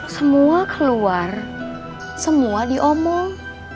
semua keluar semua diomong